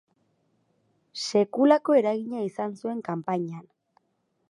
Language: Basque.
Sekulako eragina izan zuen kanpainan.